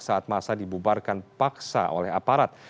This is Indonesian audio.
saat masa dibubarkan paksa oleh aparat